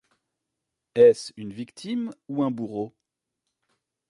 Est-ce une victime ou un bourreau ?